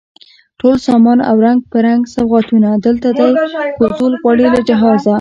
ټول سامان او رنګ په رنګ سوغاتونه، دلته دی کوزول غواړي له جهازه